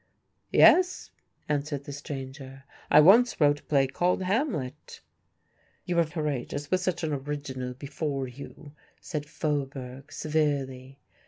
"Yes," answered the stranger, "I once wrote a play called 'Hamlet.'" "You were courageous with such an original before you," said Faubourg, severely.